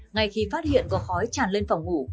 ngay khi phát hiện có khói tràn lên phòng ngủ